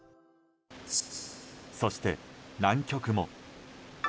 そして南極も。